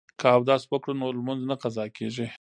که اودس وکړو نو لمونځ نه قضا کیږي.